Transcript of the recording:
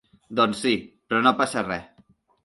Doncs sí, però no passa res.